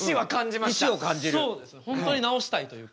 本当に治したいというか。